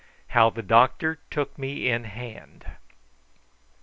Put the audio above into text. HOW THE DOCTOR TOOK ME IN HAND.